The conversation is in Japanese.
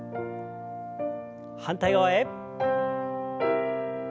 反対側へ。